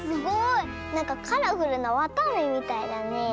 なんかカラフルなわたあめみたいだね。